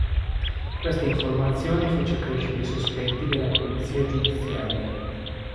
Questa informazione fece crescere i sospetti della Polizia giudiziaria.